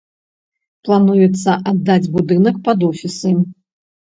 Плануецца аддаць будынак пад офісы.